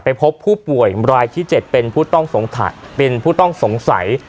ไปพบผู้ป่วยรายที่เจ็ดเป็นผู้ต้องสงสัยเป็นผู้ต้องสงสัย